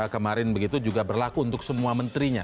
kemarin begitu juga berlaku untuk semua menterinya